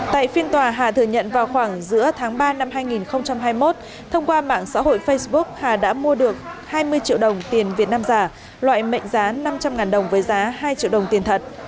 tại phiên tòa hà thừa nhận vào khoảng giữa tháng ba năm hai nghìn hai mươi một thông qua mạng xã hội facebook hà đã mua được hai mươi triệu đồng tiền việt nam giả loại mệnh giá năm trăm linh đồng với giá hai triệu đồng tiền thật